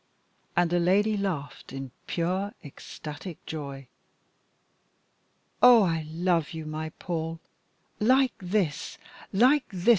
And the lady laughed in pure ecstatic joy. "Oh! I love you, my Paul like this, like this!